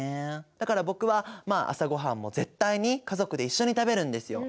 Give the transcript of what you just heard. だから僕はまあ朝ごはんも絶対に家族で一緒に食べるんですよ。